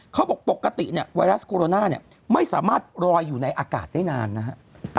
เขาบอกปกติไวรัสโคโรนาไม่สามารถรอยอยู่ในอากาศได้นานนะครับ